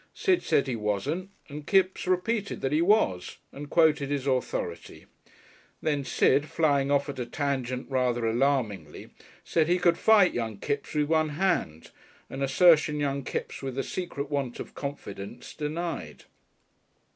Sid said he wasn't, and Kipps repeated that he was, and quoted his authority. Then Sid, flying off at a tangent rather alarmingly, said he could fight young Kipps with one hand, an assertion young Kipps with a secret want of confidence denied.